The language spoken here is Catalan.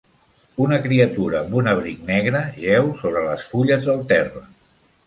Una criatura amb un abric negre jeu sobre les fulles del terra.